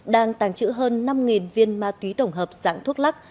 đang tàng trữ hơn năm viên ma túy tổng hợp dạng thuốc lắc